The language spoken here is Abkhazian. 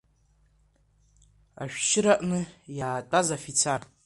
Ашәшьыраҟны иаатәаз афицар…